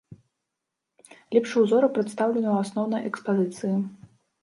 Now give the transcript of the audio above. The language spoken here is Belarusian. Лепшыя ўзоры прадстаўлены ў асноўнай экспазіцыі.